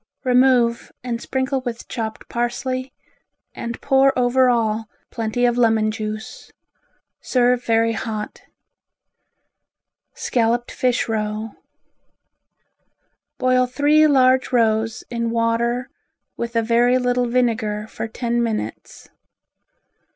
Remove and sprinkle with chopped parsley and pour over all plenty of lemon juice. Serve very hot. Scalloped Fish Roe Boil three large roes in water with, a very little vinegar for ten minutes.